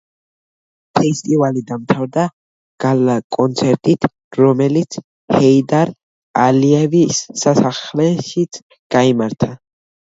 ფესტივალი დამთავრდა გალა კონცერტით, რომელიც ჰეიდარ ალიევის სასახლეში გაიმართა.